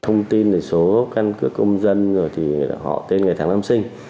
thông tin về số căn cước công dân rồi thì họ tên ngày tháng năm sinh